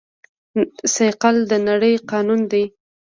ثقل د نړۍ قانون دی.